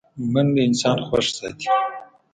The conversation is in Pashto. منډه انسان خوښ ساتي